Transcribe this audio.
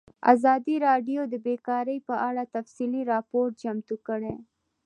ازادي راډیو د بیکاري په اړه تفصیلي راپور چمتو کړی.